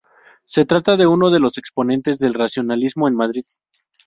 Se trata de uno de los exponentes del racionalismo en Madrid.